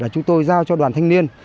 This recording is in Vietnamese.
chúng tôi giao cho đoàn thanh niên